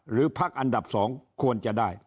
หรือพักอันดับสองควรจะได้